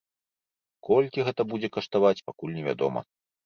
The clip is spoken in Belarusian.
Колькі гэта будзе каштаваць пакуль невядома.